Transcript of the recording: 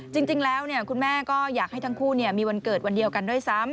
จริงแล้วคุณแม่ก็อยากให้ทั้งคู่มีวันเกิดวันเดียวกันด้วยซ้ำ